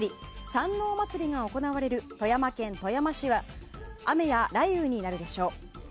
山王まつりが行われる富山県富山市は雨や雷雨になるでしょう。